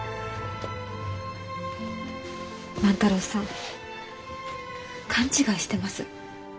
万太郎さん勘違いしてます。